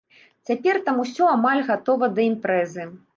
Цяпер там усё амаль гатова да імпрэзы.